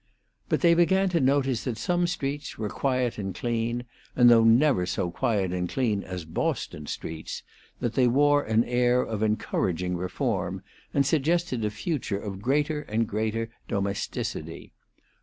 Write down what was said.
But they began to notice that some streets were quiet and clean, and, though never so quiet and clean as Boston streets, that they wore an air of encouraging reform, and suggested a future of greater and greater domesticity.